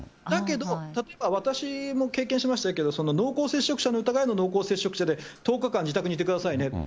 だけど、例えば私も経験しましたけれども、濃厚接触者の疑いの濃厚接触者で、１０日間自宅にいてくださいね。